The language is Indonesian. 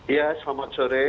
iya selamat sore